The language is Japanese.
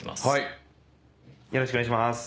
・「よろしくお願いします」